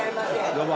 どうも。